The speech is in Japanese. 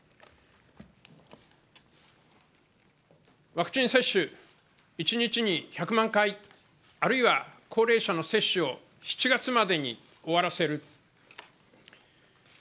ワクチン接種、一日に１００万回、あるいは高齢者の接種を７月までに終わらせる。